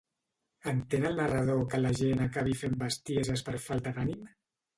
Entén el narrador que la gent acabi fent bestieses per falta d'ànim?